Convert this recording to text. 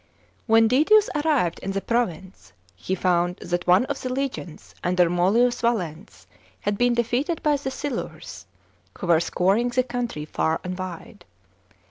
§ 9. When Didius arrived in the pro v i nee, he found that one of the legions under Manlius Valens had been defeated by the Silur* s, who were scouring the country far and wide.